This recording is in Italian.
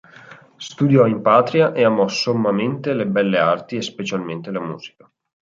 Studiò in patria e amò sommamente le belle arti e specialmente la musica.